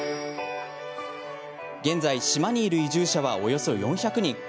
現在、島にいる移住者はおよそ４００人。